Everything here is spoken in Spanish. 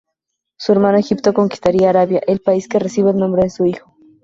Su hermano Egipto conquistaría Arabia, el país que recibe el nombre de su hijo.